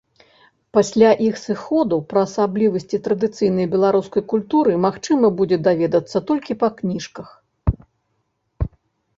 Пасля іх сыходу пра асаблівасці традыцыйнай беларускай культуры магчыма будзе даведацца толькі па кніжках.